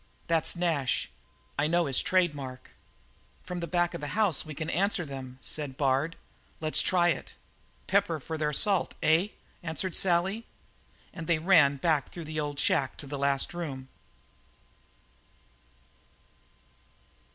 That's Nash. I know his trademark." "From the back of the house we can answer them," said Bard. "Let's try it." "Pepper for their salt, eh?" answered Sally, and they ran back through the old shack to the last room.